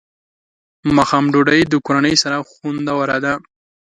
ماښام ډوډۍ د کورنۍ سره خوندوره ده.